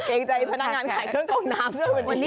เกรงใจพนักงานขายเครื่องกองน้ำด้วยวันนี้